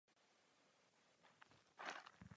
Jedinou sousední vesnicí je Bol.